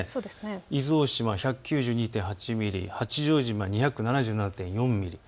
伊豆大島１９２．８ミリ、八丈島２７７．４ミリ。